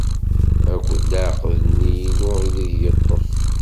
Akked leɛqed-nni-inu ideg yeṭṭef.